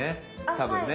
多分ね。